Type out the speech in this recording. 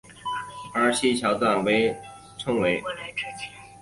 而其桥殿被选为。